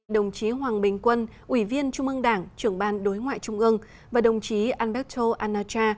đồng chí hoàng bình quân ủy viên trung ương đảng trưởng ban đối ngoại trung ương và đồng chí alberto anacha